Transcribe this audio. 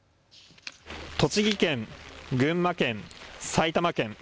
栃木県、群馬県、埼玉県。